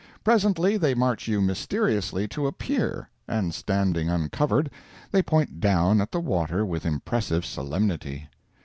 Presently they march you mysteriously to a pier, and standing uncovered, they point down at the water with impressive solemnity.